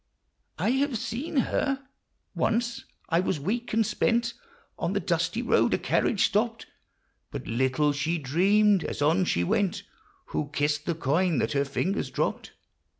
I have seen her ? Once : I was weak and spent On the dusty road ; a carriage stopped ; But little she dreamed, as on she went, Who kissed the coin that her fingers dropped